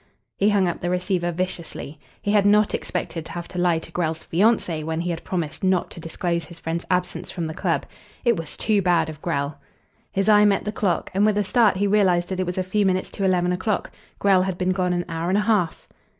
He hung up the receiver viciously. He had not expected to have to lie to Grell's fiancée when he had promised not to disclose his friend's absence from the club. It was too bad of Grell. His eye met the clock, and with a start he realised that it was a few minutes to eleven o'clock. Grell had been gone an hour and a half.